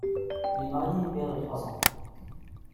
Il est marié et père de trois enfants.